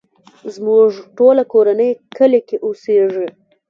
زموږ ټوله کورنۍ کلی کې اوسيږې.